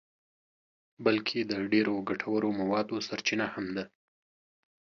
بلکه د ډېرو ګټورو موادو سرچینه هم ده.